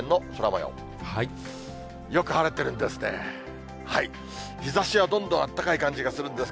よく晴れてるんですね。